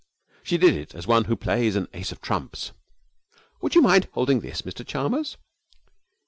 She did it as one who plays an ace of trumps. 'Would you mind holding this, Mr Chalmers?'